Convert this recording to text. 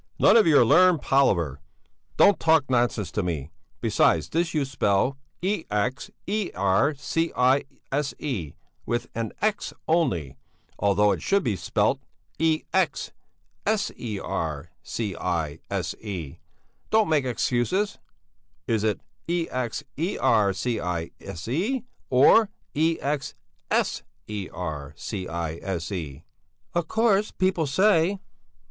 "None of your learned palaver! Don't talk nonsense to me! Besides this you spell ex ercise with an x only, although it should be spelt ex sercise. Don't make excuses is it ex ercise or ex sercise?" "Of course people say...."